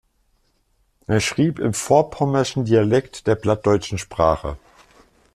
Er schrieb im vorpommerschen Dialekt der Plattdeutschen Sprache.